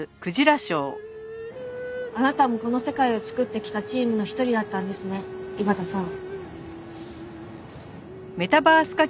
あなたもこの世界を作ってきたチームの一人だったんですね井端さん。